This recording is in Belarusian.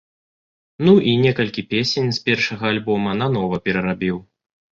Ну, і некалькі песень з першага альбома нанова перарабіў.